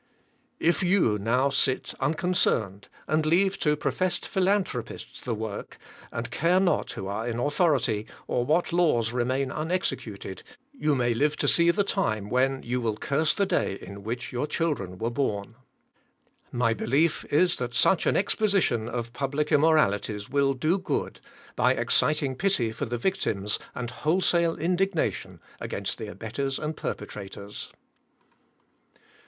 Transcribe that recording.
If you now sit unconcerned, and leave to professed philanthropists the work, and care not who are in authority or what laws remain unexecuted, you may live to see the time when you will curse the day in which your children were born. My belief is that such an exposition of public immoralities will do good, by exciting pity for the victims and wholesale indignation against the abettors and perpetrators.